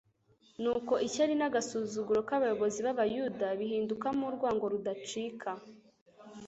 Nuko ishyari n'agasuzuguro k'abayobozi b'abayuda bihindukamo urwango rudacika,